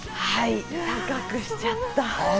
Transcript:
高くしちゃった。